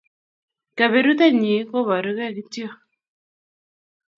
Kaberuto nyin kobaru ke kityo